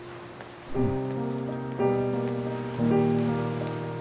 うん。